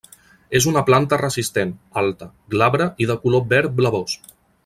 És una planta resistent, alta, glabra i de color verd blavós.